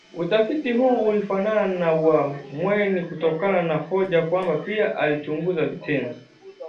Utafiti huu ulifanana na wa Mweni kutokana na hoja kwamba pia ulichunguza vitenzi